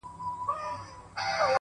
پوهه د فکر ژوروالی زیاتوي؛